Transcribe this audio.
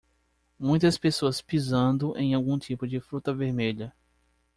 Muitas pessoas pisando em algum tipo de fruta vermelha.